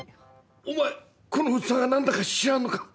お前この器がなんだか知らんのか？